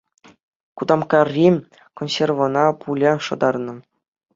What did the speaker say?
Кутамккари консервӑна пуля шӑтарнӑ